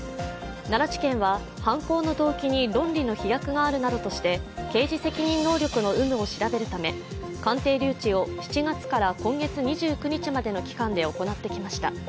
奈良地検は犯行の動機に論理の飛躍があるなどとして刑事責任能力の有無を調べるため鑑定留置を７月から今月２９日までの期間で行ってきました。